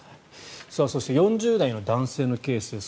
そして４０代の男性のケースです。